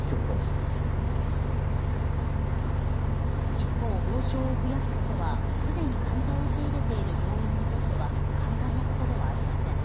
一方、病床を増やすことはすでに患者を受け入れている病院にとっては簡単なことではありません。